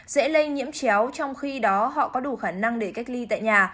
dễ lây nhiễm chéo trong khi đó họ có đủ khả năng để cách ly tại nhà